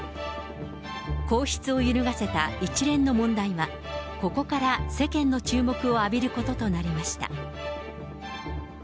皇室を揺るがせた一連の問題は、ここから世間の注目を浴びることとなりました。